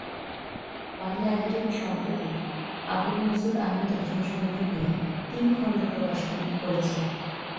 Bangla academy সম্প্রতি আবুল মনসুর আহমদ রচনাসমগ্র নিয়ে তিন খণ্ড প্রকাশনা করেছে।